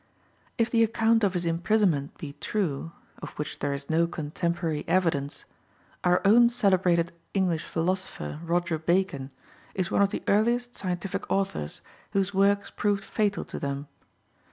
If the account of his imprisonment be true (of which there is no contemporary evidence) our own celebrated English philosopher, Roger Bacon, is one of the earliest scientific authors whose works proved fatal to them.